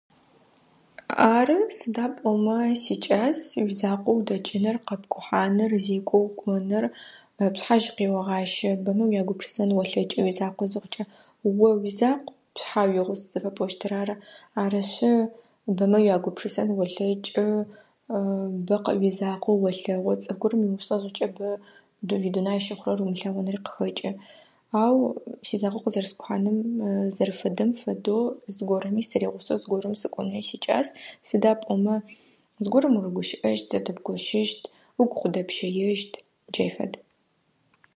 Ары сыда пӏомэ сикӏас уизакъоу удэкӏыныр, къэпкӏухьаныр, зекӏо укӏоныр. Пшъхьа жьы къеогъащэ, бэмэ уягушыпсын олъэкӏы уизакъо зыхъукӏэ. О уизакъу пшъхьа уигъус зыфэпӏощтыр ары. Арышъы бэмэ уягупшысэн олъэкӏы, бэ уизакъоу олъэгъу [unintelligible] уимыгъусэ зыхъукӏэ бэ джырэ дунай умылъэгъуныри къыхэкӏы. Ау сизакъоу къызэрэскӏухьаным зэрэфэдэм фэдэу зыгорэми сырихъусэу зыгорэм сыкӏонэу сикӏас сыда пӏомэ зыгорэм урыгущыӏэщт, зэдэбгощыщыт, угу къыдэпщэещт. Джай фэд.